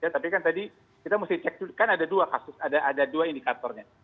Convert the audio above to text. tapi kan tadi kita mesti cek kan ada dua kasus ada dua indikatornya